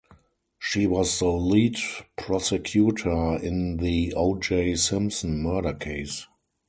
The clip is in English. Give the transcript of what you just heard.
She was the lead prosecutor in the O. J. Simpson murder case.